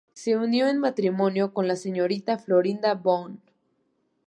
Se unió en matrimonio con la señorita Florinda Boone.